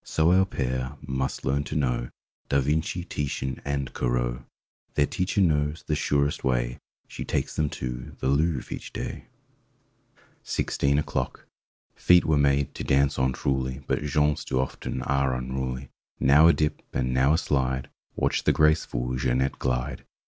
So our pair must learn to know Da Vinci, Titian and Corot. Their teacher knows the surest way: She takes them to the Louvre each day. 37 i FIFTEEN O'CLOCK 39 SIXTEEN O'CLOCK F eet were made to dance on, truly; But Jean's too often are unruly. Now a dip and now a slide— Watch the graceful Jeanette glide!